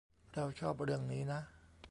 เราชอบเรื่องนี้นะ